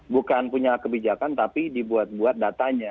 bukan punya kebijakan tapi dibuat buat datanya